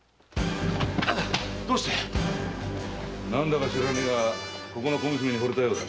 どうしてっ⁉何だか知らねえがここの小娘に惚れたようだな？